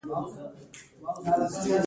هغه هغې ته د تاوده دښته ګلان ډالۍ هم کړل.